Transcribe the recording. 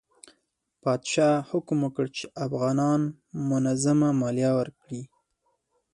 پادشاه حکم وکړ چې افغانان منظمه مالیه ورکړي.